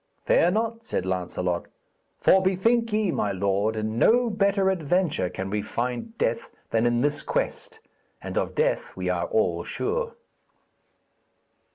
'Fear not,' said Lancelot, 'for bethink ye, my lord, in no better adventure can we find death than in this quest, and of death we are all sure.'